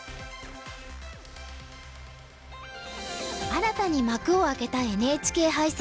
新たに幕を開けたＮＨＫ杯戦。